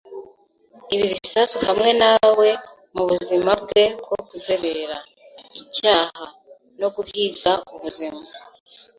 ibi bisasu hamwe na we mubuzima bwe bwo kuzerera, icyaha, no guhiga ubuzima.